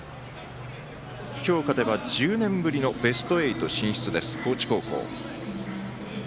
今日、勝てば１０年ぶりのベスト８進出です、高知高校。